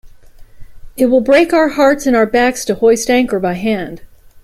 It will break our hearts and our backs to hoist anchor by hand.